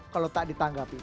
kalau tak ditanggapi